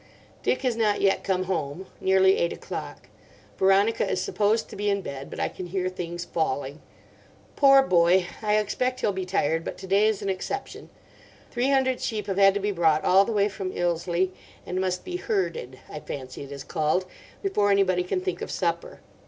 "Dick has not yet come home—nearly eight o'clock. Veronica is supposed to be in bed, but I can hear things falling. Poor boy! I expect he'll be tired; but to day is an exception. Three hundred sheep have had to be brought all the way from Ilsley, and must be 'herded'—I fancy it is called—before anybody can think of supper.